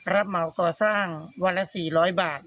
เหมาก่อสร้างวันละ๔๐๐บาท